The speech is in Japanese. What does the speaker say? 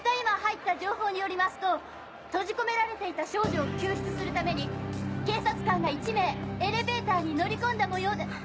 今入った情報によりますと閉じ込められていた少女を救出するために警察官が１名エレベーターに乗り込んだ模様で。